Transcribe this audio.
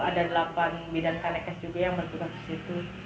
ada delapan bidan kanekes juga yang bertugas di situ